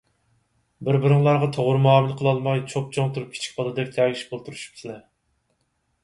بىر - بىرىڭلارغا توغرا مۇئامىلە قىلالماي چوپچوڭ تۇرۇپ كىچىك بالىدەك تەگىشىپ ئولتۇرۇشۇپسىلەر.